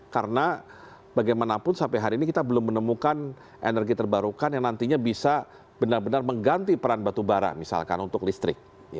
karena bagaimanapun sampai hari ini kita belum menemukan energi terbarukan yang nantinya bisa benar benar mengganti peran batubara misalkan untuk listrik